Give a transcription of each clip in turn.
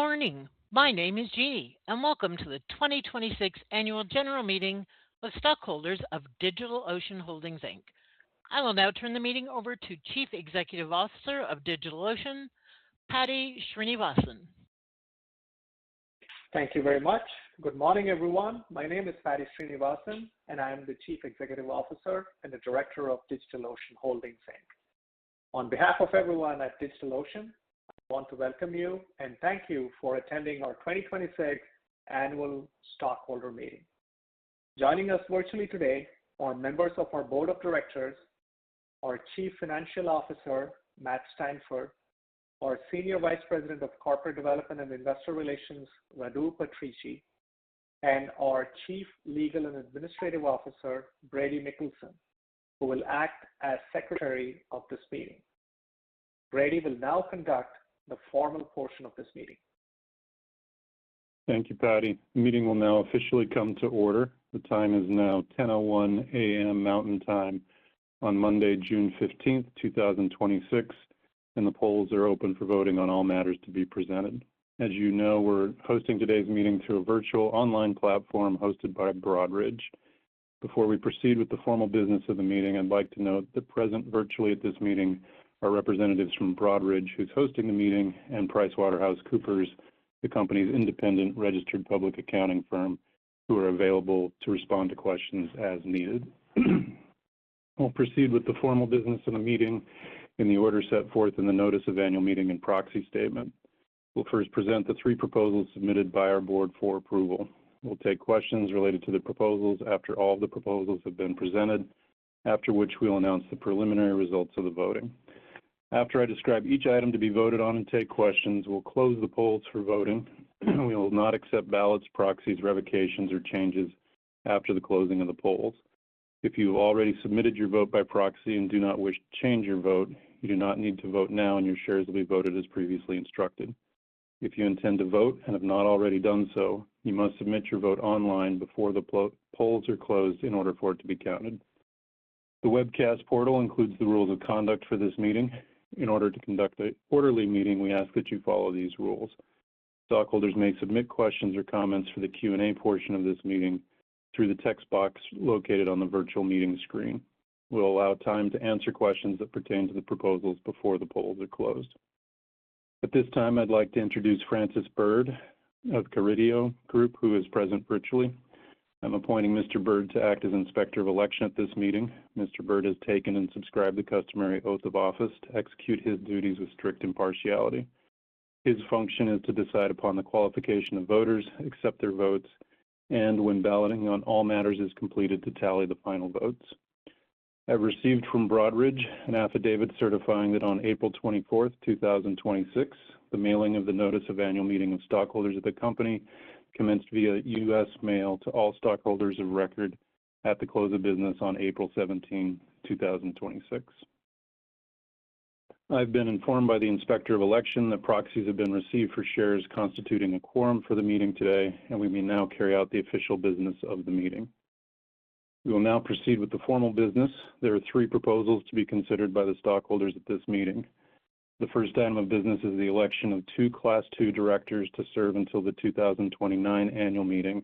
Good morning. My name is Jeannie, and welcome to the 2026 Annual General Meeting of stockholders of DigitalOcean Holdings, Inc. I will now turn the meeting over to Chief Executive Officer of DigitalOcean, Paddy Srinivasan. Thank you very much. Good morning, everyone. My name is Paddy Srinivasan, and I am the Chief Executive Officer and the Director of DigitalOcean Holdings, Inc. On behalf of everyone at DigitalOcean, I want to welcome you and thank you for attending our 2026 annual stockholder meeting. Joining us virtually today are members of our board of directors, our Chief Financial Officer, Matt Steinfort, our Senior Vice President of Corporate Development and Investor Relations, Radu Patrichi, and our Chief Legal and Administrative Officer, Brady Mickelsen, who will act as secretary of this meeting. Brady will now conduct the formal portion of this meeting. Thank you, Paddy. The meeting will now officially come to order. The time is now 10:01 A.M. Mountain Time on Monday, June 15th, 2026, and the polls are open for voting on all matters to be presented. As you know, we're hosting today's meeting through a virtual online platform hosted by Broadridge. Before we proceed with the formal business of the meeting, I'd like to note that present virtually at this meeting are representatives from Broadridge, who's hosting the meeting, and PricewaterhouseCoopers, the company's independent registered public accounting firm, who are available to respond to questions as needed. We'll proceed with the formal business of the meeting in the order set forth in the Notice of Annual Meeting and Proxy Statement. We'll first present the three proposals submitted by our board for approval. We'll take questions related to the proposals after all the proposals have been presented, after which we'll announce the preliminary results of the voting. After I describe each item to be voted on and take questions, we'll close the polls for voting. We will not accept ballots, proxies, revocations, or changes after the closing of the polls. If you have already submitted your vote by proxy and do not wish to change your vote, you do not need to vote now, and your shares will be voted as previously instructed. If you intend to vote and have not already done so, you must submit your vote online before the polls are closed in order for it to be counted. The webcast portal includes the rules of conduct for this meeting. In order to conduct an orderly meeting, we ask that you follow these rules. Stockholders may submit questions or comments for the Q&A portion of this meeting through the text box located on the virtual meeting screen. We'll allow time to answer questions that pertain to the proposals before the polls are closed. At this time, I'd like to introduce Francis Byrd of Carideo Group, who is present virtually. I'm appointing Mr. Byrd to act as Inspector of Election at this meeting. Mr. Byrd has taken and subscribed the customary oath of office to execute his duties with strict impartiality. His function is to decide upon the qualification of voters, accept their votes, and when balloting on all matters is completed, to tally the final votes. I have received from Broadridge an affidavit certifying that on April 24th, 2026, the mailing of the notice of annual meeting of stockholders of the company commenced via U.S. Mail to all stockholders of record at the close of business on April 17th, 2026. I've been informed by the Inspector of Election that proxies have been received for shares constituting a quorum for the meeting today, and we may now carry out the official business of the meeting. We will now proceed with the formal business. There are three proposals to be considered by the stockholders at this meeting. The first item of business is the election of two Class II directors to serve until the 2029 annual meeting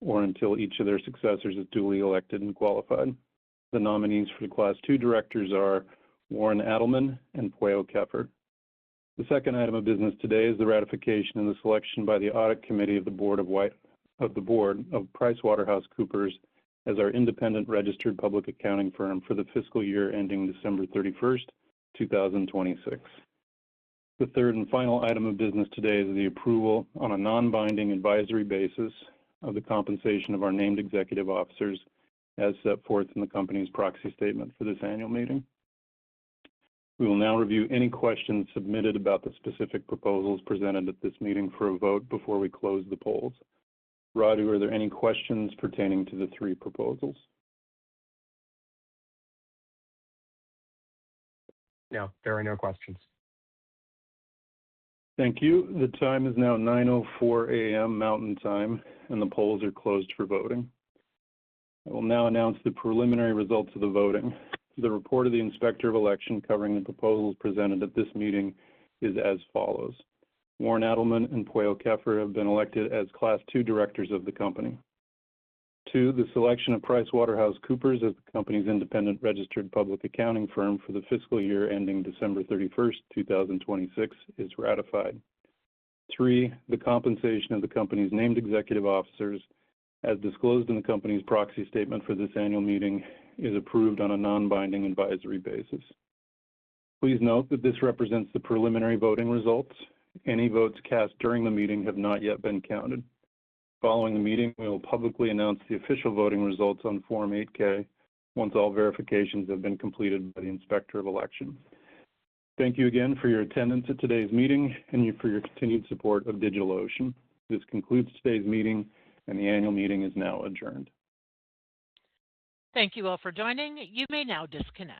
or until each of their successors is duly elected and qualified. The nominees for the Class II directors are Warren Adelman and Pueo Keffer. The second item of business today is the ratification and the selection by the Audit Committee of the board of PricewaterhouseCoopers as our independent registered public accounting firm for the fiscal year ending December 31st, 2026. The third and final item of business today is the approval on a non-binding advisory basis of the compensation of our named executive officers as set forth in the company's proxy statement for this annual meeting. We will now review any questions submitted about the specific proposals presented at this meeting for a vote before we close the polls. Radu, are there any questions pertaining to the three proposals? No, there are no questions. Thank you. The time is now 10:04 A.M. Mountain Time, and the polls are closed for voting. I will now announce the preliminary results of the voting. The report of the Inspector of Election covering the proposals presented at this meeting is as follows. Warren Adelman and Pueo Keffer have been elected as Class II directors of the company. 2. The selection of PricewaterhouseCoopers as the company's independent registered public accounting firm for the fiscal year ending December 31, 2026 is ratified. 3. The compensation of the company's named executive officers, as disclosed in the company's proxy statement for this annual meeting, is approved on a non-binding advisory basis. Please note that this represents the preliminary voting results. Any votes cast during the meeting have not yet been counted. Following the meeting, we will publicly announce the official voting results on Form 8-K once all verifications have been completed by the Inspector of Election. Thank you again for your attendance at today's meeting and for your continued support of DigitalOcean. This concludes today's meeting, and the annual meeting is now adjourned. Thank you all for joining. You may now disconnect.